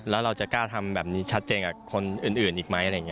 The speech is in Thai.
แล้วเราจะกล้าทำแบบนี้ชัดเจนกับคนอื่นอีกไหมอะไรอย่างนี้